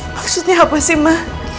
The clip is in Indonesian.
maksudnya apa sih ma